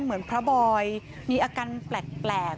เหมือนพระบอยมีอาการแปลก